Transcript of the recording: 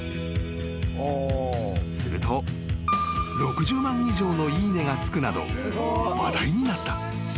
［すると６０万以上のいいねがつくなど話題になった］